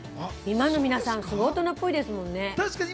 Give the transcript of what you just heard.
今の皆さん、大人っぽいですもんね。